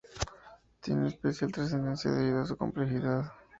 Tienen especial trascendencia debido a su complejidad.